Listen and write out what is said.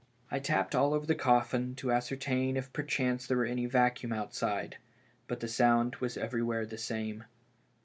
I tapped all over the coffin to ascer tain if perchance there were any vacuum outside. But the sound was everywhere the same.